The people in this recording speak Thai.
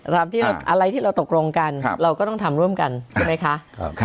ตามที่เราตกลงกันอะไรที่เราตกลงกันเราก็ต้องทำร่วมกันใช่ไหมคะ